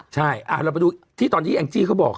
ใช่เราไปดูที่ตอนที่แองจี้เขาบอก